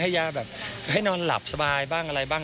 ยาแบบให้นอนหลับสบายบ้างอะไรบ้าง